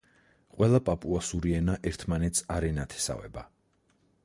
ყველა პაპუასური ენა ერთმანეთს არ ენათესავება.